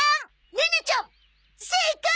ネネちゃん正解！